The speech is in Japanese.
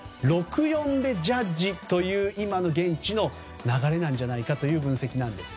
６：４でジャッジという今の現地の流れなんじゃないかという分析なんです。